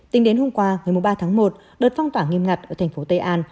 tính đến hôm qua một mươi ba tháng một đợt phong tỏa nghiêm ngặt ở thành phố tây an